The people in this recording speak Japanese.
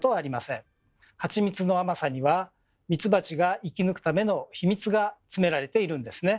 ハチミツの甘さにはミツバチが生き抜くための秘密が詰められているんですね。